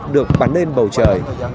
được bắn lên bầu trời